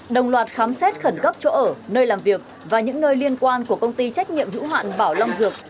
đồng loạt khám xét khẩn cấp chỗ ở nơi làm việc và những nơi liên quan của công ty trách nhiệm hữu hạn bảo long dược